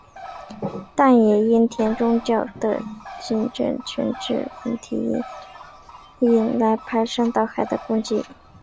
但也因田中角荣的金权政治问题来引来排山倒海的攻击。